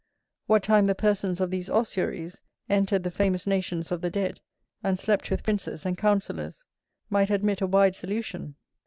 What time the persons of these ossuaries entered the famous nations of the dead, and slept with princes and counsellors, might admit a wide solution.